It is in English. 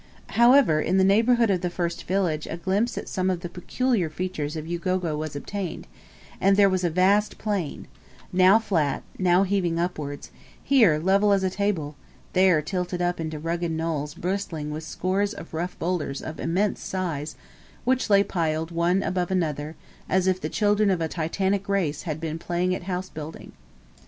However, in the neighbourhood of the first village a glimpse at some of the peculiar features of Ugogo was obtained, and there was a vast plain now flat, now heaving upwards, here level as a table, there tilted up into rugged knolls bristling with scores of rough boulders of immense size, which lay piled one above another as if the children of a Titanic race had been playing at house building.